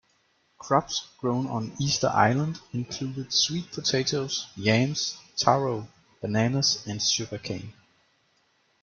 Crops grown on Easter Island included sweet potatoes, yams, taro, bananas and sugarcane.